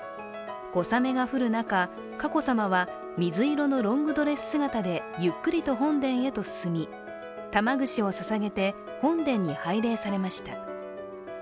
小雨が降る中、佳子さまは水色のロングドレス姿でゆっくりと本殿へと進み、玉串をささげて本殿に拝礼されました。